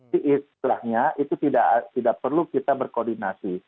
di istilahnya itu tidak perlu kita berkoordinasi